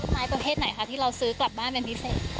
ไม้ประเภทไหนคะที่เราซื้อกลับบ้านเป็นพิเศษ